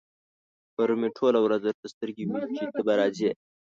پرون مې ټوله ورځ درته سترګې وې چې ته به راځې.